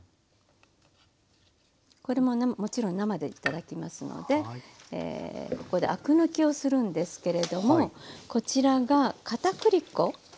これももちろん生で頂きますのでここでアク抜きをするんですけれどもこちらがかたくり粉。